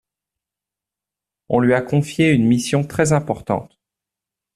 On lui a confié une mission très importante.